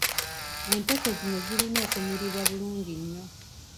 Empeke zino zirina okumiribwa bulungi nnyo.